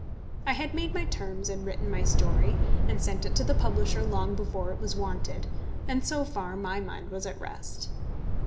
I had made my terms and written my story and sent it to the publisher long before it was wanted; and so far my mind was at rest.